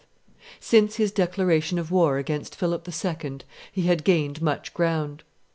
Since his declaration of war against Philip II. he had gained much ground.